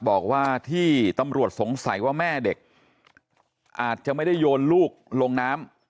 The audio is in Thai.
บอกว่าที่ตำรวจสงสัยว่าแม่เด็กอาจจะไม่ได้โยนลูกลงน้ำ